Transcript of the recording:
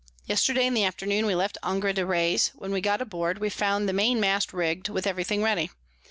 _ Yesterday in the Afternoon we left Angre de Reys; when we got aboard, we found the Main Mast rigg'd, with every thing ready.